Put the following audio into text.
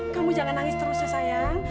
kamu jangan nangis terus sayang